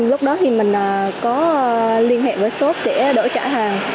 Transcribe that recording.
lúc đó thì mình có liên hệ với số để đổi trả hàng